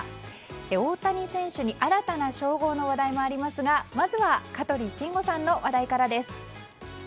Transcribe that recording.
大谷選手に新たな称号の話題もありますがまずは香取慎吾さんの話題からです。